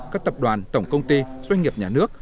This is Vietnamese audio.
các tập đoàn tổng công ty doanh nghiệp nhà nước